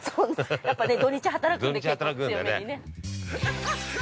◆やっぱね、土日働くんで結構強めにね。